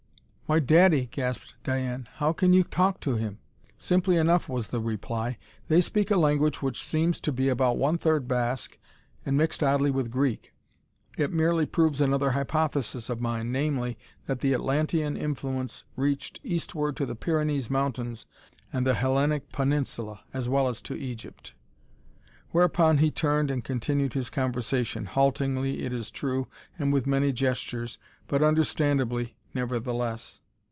"Why, daddy!" gasped Diane. "How can you talk to him?" "Simply enough," was the reply. "They speak a language which seems to be about one third Basque, mixed oddly with Greek. It merely proves another hypothesis of mine, namely, that the Atlantean influence reached eastward to the Pyrenees mountains and the Hellenic peninsula, as well as to Egypt." Whereupon he turned and continued his conversation, haltingly it is true and with many gestures, but understandably nevertheless.